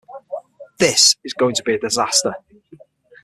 This is going to be a disaster.